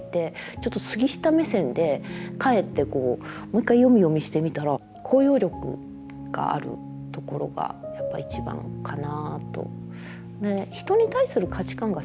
ちょっと杉下目線で帰ってもう一回読み読みしてみたらところがやっぱ一番かなと。